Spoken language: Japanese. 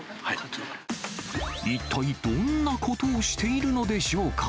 一体どんなことをしているのでしょうか。